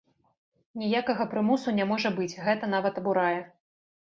Ніякага прымусу не можа быць, гэта нават абурае.